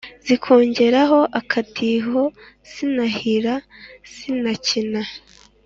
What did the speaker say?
Zikongeraho akadiho zinihira zinikiza